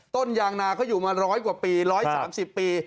ต้นยางนาเขาอยู่มาร้อยกว่าปีร้อยสามสิบปี